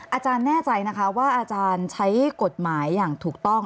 อาจารย์แน่ใจนะคะว่าอาจารย์ใช้กฎหมายอย่างถูกต้อง